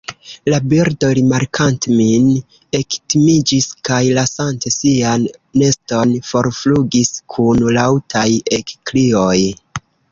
La birdo, rimarkante min, ektimiĝis, kaj lasante sian neston forflugis kun laŭtaj ekkrioj.